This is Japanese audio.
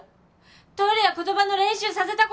・トイレや言葉の練習させたこと！